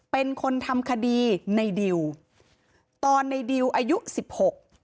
เป็นคนทำคดีในดิวตอนในดิวอายุสิบหก